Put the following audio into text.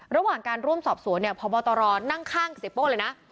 ระหว่างการร่วมสอบสวนเนี่ยพบตรนั่งข้างเสียโป้เลยนะ